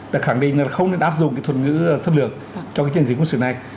và khẳng định là không nên áp dụng cái thuật ngữ xâm lược cho cái chiến dịch quân sự này